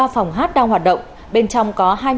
ba phòng hát đang hoạt động bên trong có